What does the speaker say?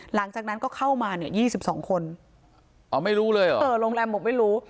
หลังจากนั้นก็เข้ามาเนี่ย๒๒คนอ๋อไม่รู้เลยเหรอเออโรงแรมบอกไม่รู้